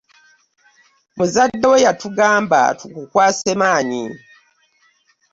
Muzadde wo yatugamba tukukwase maanyi.